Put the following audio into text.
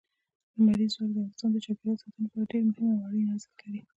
لمریز ځواک د افغانستان د چاپیریال ساتنې لپاره ډېر مهم او اړین ارزښت لري.